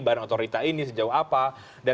bahan otorita ini sejauh apa